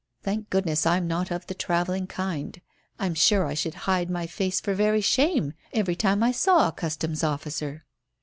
Thank goodness I'm not of the travelling kind; I'm sure I should hide my face for very shame every time I saw a Customs officer."